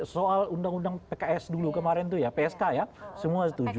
soal undang undang pks dulu kemarin itu ya psk ya semua setuju